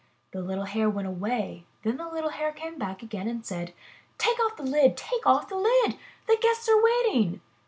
The little Hare went away; then the little Hare came back again and said: '*Take off the lid! Take off the lid! The guests are waiting!''